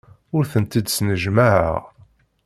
Ur tent-id-snejmaɛeɣ.